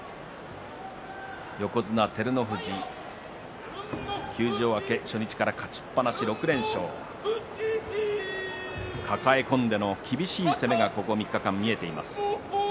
横綱照ノ富士、休場明け初日から勝ちっぱなし６連勝抱え込んでの厳しい攻めがここ３日間、見られています。